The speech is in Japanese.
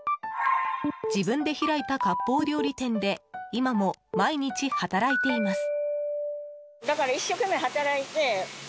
自分で開いた割烹料理店で今も毎日働いています。